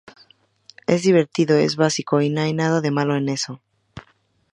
Es divertido, es básico y no hay nada de malo en eso.